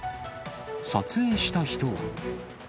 撮影した人は。